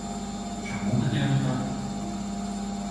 Чаму гэта яно так?